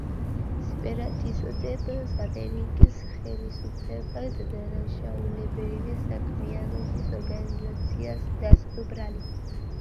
სეპარატისტებს ამერიკის ხელისუფლებამ დანაშაულებრივი საქმიანობის ორგანიზაციაში დასდო ბრალი.